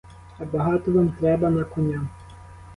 А багато вам треба на коня?